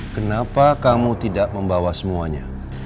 kenapa kamu tidak membawa semuanya